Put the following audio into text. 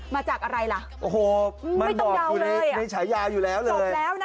มาจากอะไรล่ะไม่ต้องเดาเลยอ่ะจบแล้วนะคะโอ้โฮมันบอกอยู่ในชายาอยู่แล้วเลย